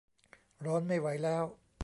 ร้อนไม่ไหวแล้ว